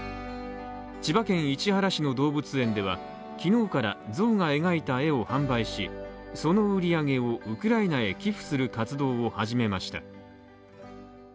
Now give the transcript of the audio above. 千葉県市原市の動物園では昨日から象が描いた絵を販売し、その売り上げをウクライナへ寄付する活動を始めました。